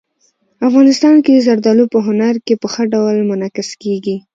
افغانستان کې زردالو په هنر کې په ښه ډول منعکس کېږي.